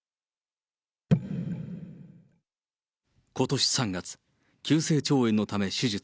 ことし３月、急性腸炎のため手術。